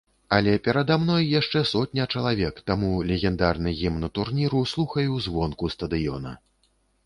Але перада мной яшчэ сотня чалавек, таму легендарны гімн турніру слухаю звонку стадыёна.